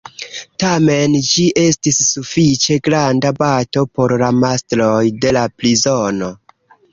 Tamen, ĝi estis sufiĉe granda bato por la mastroj de la prizono.